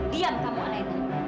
diam kamu alaiknya